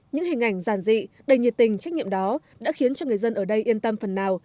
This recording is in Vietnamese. những hình ảnh giàn dị đầy nhiệt tình trách nhiệm đó đã khiến cho người dân ở đây yên tâm phần nào